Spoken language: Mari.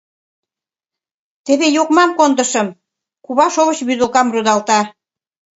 — Теве, йокмам кондышым, — кува шовыч вӱдылкам рудалта.